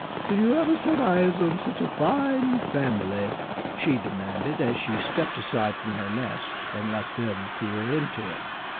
"Did you ever set eyes on such a fine family?" she demanded as she stepped aside from her nest and let them peer into it.